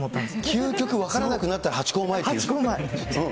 究極、分からなくなったら、ハチ公前という。